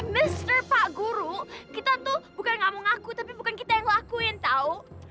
mister pak guru kita tuh bukan yang ngamu ngaku tapi bukan kita yang ngelakuin tau kan